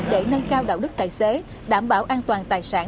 để nâng cao đạo đức tài xế đảm bảo an toàn tài sản